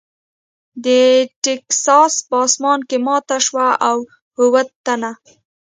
د ټیکساس په اسمان کې ماته شوه او اووه تنه .